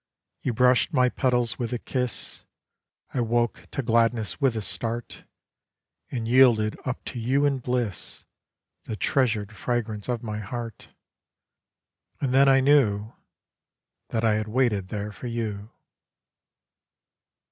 You brushed my petals with a kiss, I woke to gladness with a start, And yielded up to you in bliss The treasured fragrance of my heart; And then I knew That I had waited there for you.